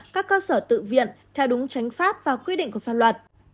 các cơ sở tự viện theo đúng tránh pháp và quy định của pháp luật